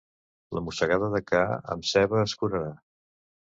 La mossegada de ca, amb ceba es curarà.